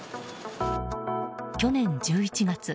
去年１１月